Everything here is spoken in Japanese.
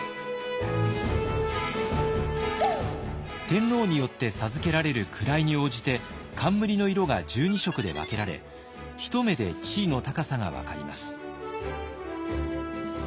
天皇によって授けられる位に応じて冠の色が１２色で分けられ一目で地位の高さが分かります。